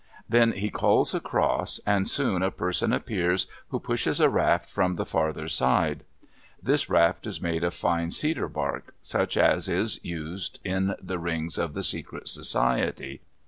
Then he calls across, and soon a person appears who pushes a raft from the farther side. This raft is made of fine cedar bark, such as is used in the rings of the secret society.